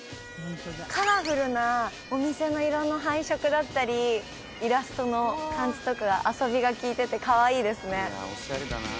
カラフルなお店の色の配色だったりイラストの感じとかが遊びがきいててかわいいですね